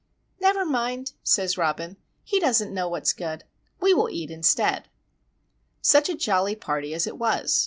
"Never mind," says Robin. "He doesn't know what's good. We will eat instead." Such a jolly party as it was!